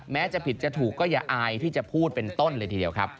จะผิดจะถูกก็อย่าอายที่จะพูดเป็นต้นเลยทีเดียวครับ